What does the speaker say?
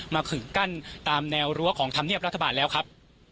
ขึงกั้นตามแนวรั้วของธรรมเนียบรัฐบาลแล้วครับ